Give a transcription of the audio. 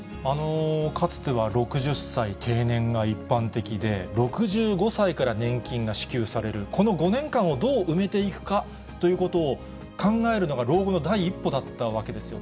かつては６０歳定年が一般的で、６５歳から年金が支給される、この５年間をどう埋めていくかということを考えるのが老後の第一歩だったわけですよ。